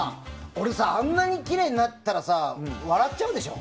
俺があんなにきれいになったら笑っちゃうでしょ。